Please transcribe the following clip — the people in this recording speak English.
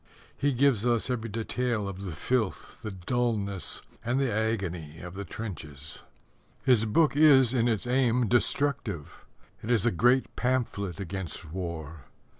He gives us every detail of the filth, the dullness, and the agony of the trenches. His book is in its aim destructive. It is a great pamphlet against war.